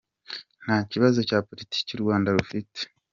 Nta kibazo cya Politiki u Rwanda rufite.